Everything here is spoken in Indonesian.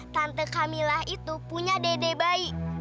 tante kamila itu punya dede bayi